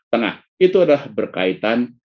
tengah itu adalah berkaitan